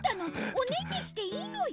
おねんねしていいのよ。